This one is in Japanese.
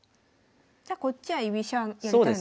じゃこっちは居飛車やりたいので。